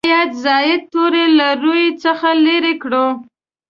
باید زاید توري له روي څخه لرې کړو.